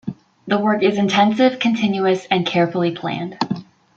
The work is intensive, continuous, and carefully planned.